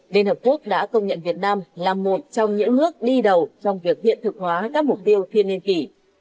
liên hợp quốc đã công nhận việt nam là một trong những nước đi đầu trong việc hiện thực hóa các mục tiêu thiên niên kỷ